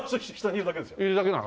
いるだけなの？